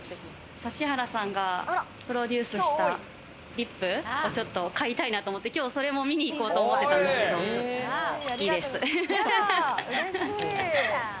指原さんがプロデュースしたリップをちょっと買いたいなと思って今日それも見に行こうと思ってたんですけど、好きです。